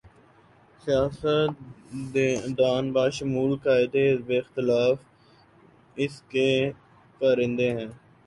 سیاست دان بشمول قائد حزب اختلاف اس کے کارندے ہیں۔